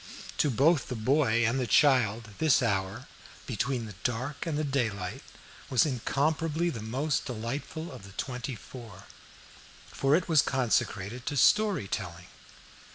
To both the mother and the child, this hour, "between the dark and the daylight" was incomparably the most delightful of the twenty four, for it was consecrated to story telling.